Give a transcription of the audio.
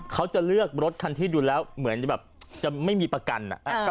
เขาจะเลือกรถคันที่ดูแล้วเหมือนจะแบบจะไม่มีประกัน